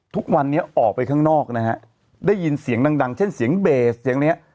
ทุกวันนี้ออกไปข้างนอกนะฮะได้ยินเสียงดังดังเช่นเสียงเบสเสียงเนี้ย